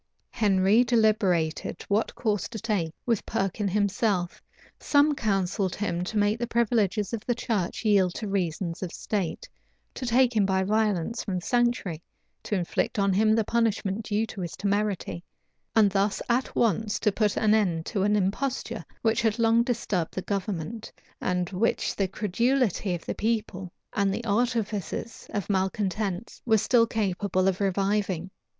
{1498.} Henry deliberated what course to take with Perkin himself. Some counselled him to make the privileges of the church yield to reasons of state, to take him by violence from the sanctuary, to inflict on him the punishment due to his temerity, and thus at once to put an end to an imposture which had long disturbed the government, and which the credulity of the people and the artifices of malcontents were still capable of reviving.